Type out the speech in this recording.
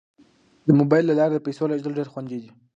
د موبایل له لارې د پيسو لیږل ډیر خوندي دي.